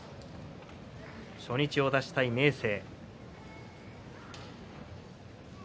初日を出したい明生。